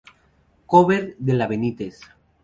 Cover de La Benitez